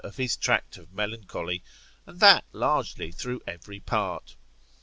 of his Tract of Melancholy, and that largely through every part.